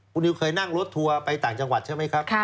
คุณนิวเคยนั่งรถทัวร์ไปต่างจังหวัดใช่ไหมครับ